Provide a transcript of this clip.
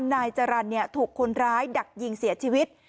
นายจรรย์ถูกคนร้ายดักยิงเสียชีวิต